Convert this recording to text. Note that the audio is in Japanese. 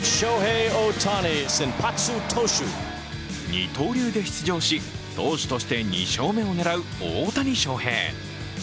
二刀流で出場し、投手として２勝目を狙う大谷翔平。